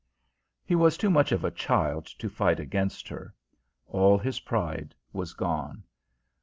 He was too much of a child to fight against her: all his pride was gone.